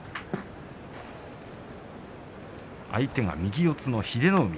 相手は右四つの英乃海。